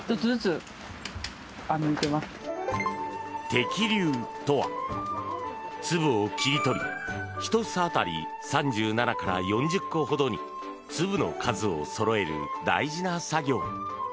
摘粒とは、粒を切り取りひと房当たり３７から４０個ほどに粒の数をそろえる大事な作業。